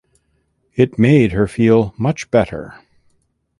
It made her feel much better.